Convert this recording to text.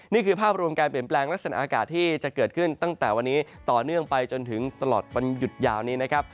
นี่คือภาพรวมการเปลี่ยนแปลงลักษณะอากาศที่จะเกิดขึ้นตั้งแต่วันนี้ต่อเนื่องไปจนถึงตลอดวันหยุดยาวนี้นะครับ